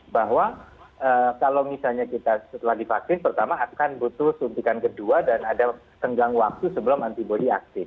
bahwa kalau misalnya kita setelah divaksin pertama akan butuh suntikan kedua dan ada tenggang waktu sebelum antibody aktif